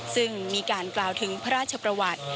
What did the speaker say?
ซึ่งมีการกล่าวถึงพระราชประวัติ